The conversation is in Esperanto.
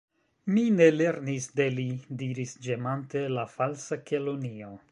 "Mi ne lernis de li," diris ĝemante la Falsa Kelonio.